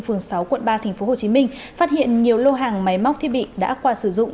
phường sáu quận ba tp hcm phát hiện nhiều lô hàng máy móc thiết bị đã qua sử dụng